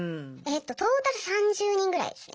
トータル３０人ぐらいですね。